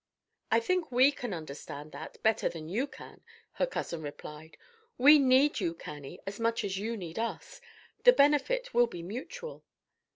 "I think we can understand that better than you can," her cousin replied. "We need you, Cannie, as much as you need us. The benefit will be mutual."